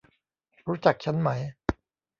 รู้จักฉันไหม ?